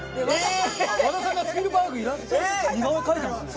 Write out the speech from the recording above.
和田さんがスピルバーグの似顔絵描いたんですね。